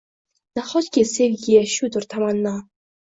Nahotki, sevgiga shudir tamanno?